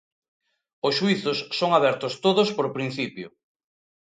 Os xuízos son abertos todos por principio.